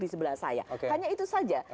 di sebelah saya hanya itu saja